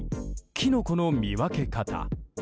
キノコの見分け方。